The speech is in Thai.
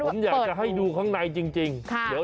ผมอยากจะให้ดูข้างในจริง